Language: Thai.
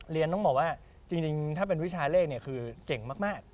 ต้องบอกว่าจริงถ้าเป็นวิชาเลขเนี่ยคือเจ๋งมาก